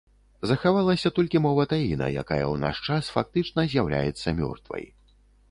Захавалася толькі мова таіна, якая ў наш час фактычна з'яўляецца мёртвай.